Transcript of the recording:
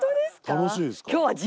楽しいですか？